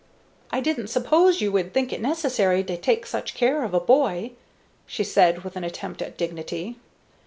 "I didn't suppose you would think it necessary to take such care of a boy," she said, with an attempt at dignity.